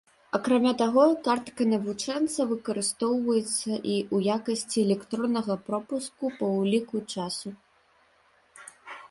Акрамя таго, картка навучэнца выкарыстоўваецца і ў якасці электроннага пропуску па ўліку часу.